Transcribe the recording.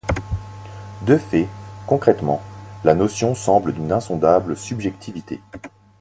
De fait, concrètement, la notion semble d'une insondable subjectivité.